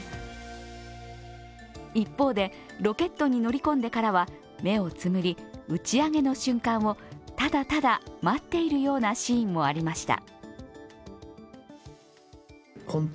一方でロケットに乗り込んでからは目をつむり打ち上げの瞬間をただただ待っているようなシーンもありました。